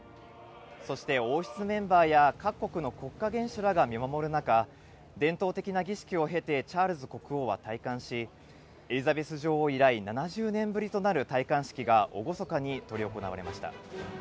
そして王室メンバーや各国の国家元首らが見守る中、伝統的な儀式を経て、チャールズ国王は戴冠し、エリザベス女王以来７０年ぶりとなる戴冠式が厳かに執り行われました。